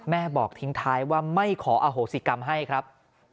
แม่บอกทิ้งท้ายว่าไม่ขออโหสิกรรมให้ครับ